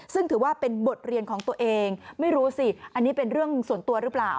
ซึ่งถือว่าเป็นบทเรียนของตัวเองไม่รู้สิอันนี้เป็นเรื่องส่วนตัวหรือเปล่า